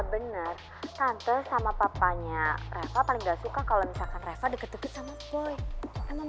bener tante sama papanya reva paling nggak suka kalau misalkan reva deket deket sama kue namun